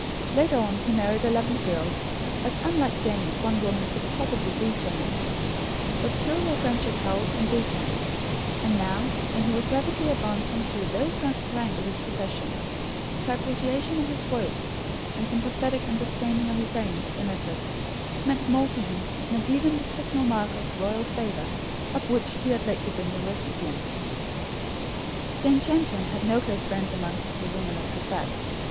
Later on he married a lovely girl, as unlike Jane as one woman could possibly be to another; but still their friendship held and deepened; and now, when he was rapidly advancing to the very front rank of his profession, her appreciation of his work, and sympathetic understanding of his aims and efforts, meant more to him than even the signal mark of royal favour, of which he had lately been the recipient. Jane Champion had no close friends amongst the women of her set.